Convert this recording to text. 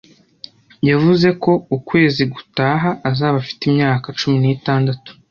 Yavuze ko ukwezi gutaha azaba afite imyaka cumi n'itandatu.